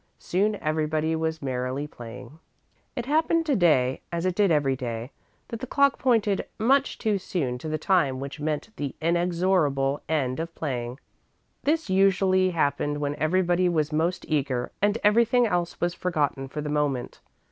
Soon everybody was merrily playing. It happened to day, as it did every day, that the clock pointed much too soon to the time which meant the inexorable end of playing. This usually happened when everybody was most eager and everything else was forgotten for the moment.